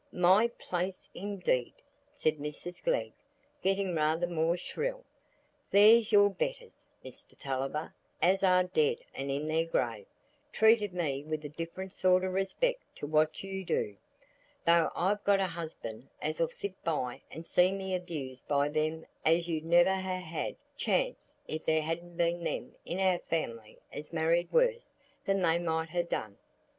"My place, indeed!" said Mrs Glegg, getting rather more shrill. "There's your betters, Mr Tulliver, as are dead and in their grave, treated me with a different sort o' respect to what you do; though I've got a husband as'll sit by and see me abused by them as 'ud never ha' had the chance if there hadn't been them in our family as married worse than they might ha' done."